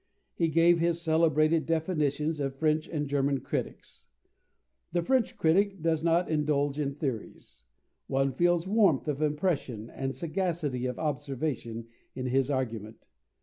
He gave his celebrated definitions of French and German critics. The French critic does not indulge in theories: one feels warmth of impression and sagacity of observation in his argument.